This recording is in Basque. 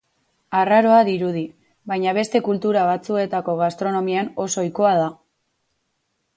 Arraroa dirudi, baina beste kultura batzuetako gastronomian oso ohikoa da.